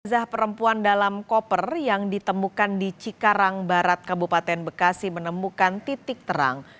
zah perempuan dalam koper yang ditemukan di cikarang barat kabupaten bekasi menemukan titik terang